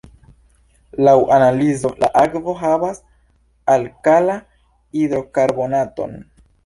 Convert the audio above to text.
Laŭ analizo la akvo havas alkala-hidrokarbonaton.